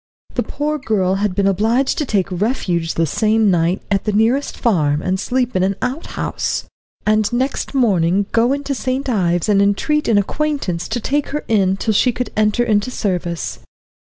The poor girl had been obliged to take refuge the same night at the nearest farm and sleep in an outhouse, and next morning to go into St. Ives and entreat an acquaintance to take her in till she could enter into service.